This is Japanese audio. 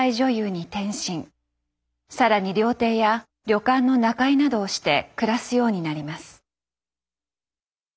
更に料亭や旅館の仲居などをして暮らすようになります。